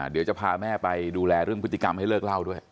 เดี๋ยวจะพาแม่ไปดูแลเรื่องพฤติกรรมให้เลิกเล่าด้วย